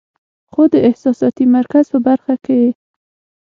خو د احساساتي مرکز پۀ برخه کې ئې